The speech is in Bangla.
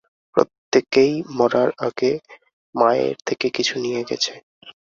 প্রত্যেকেই মরার আগে মায়ের থেকে কিছু নিয়ে গেছে।